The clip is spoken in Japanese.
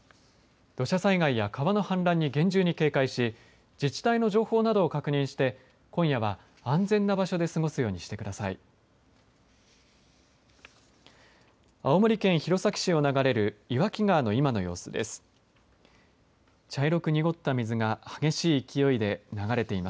土砂災害や川の氾濫に厳重に警戒し自治体の情報などを確認して今夜は安全な場所で過ごすようにしてください。